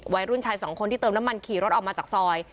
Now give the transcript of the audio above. วัยรุ่นชายสองคนที่เติมน้ำมันขี่รถออกมาจากซอย